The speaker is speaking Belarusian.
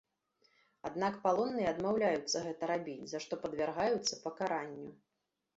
Аднак палонныя адмаўляюцца гэта рабіць, за што падвяргаюцца пакаранню.